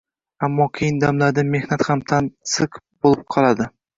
Ammo qiyin damlarda mehr ham tansiq bo‘lib qoladi.